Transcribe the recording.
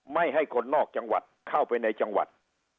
ไม่ให้คนนอกจังหวัดเข้าไปในจังหวัด